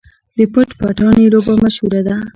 د پټ پټانې لوبه مشهوره ده.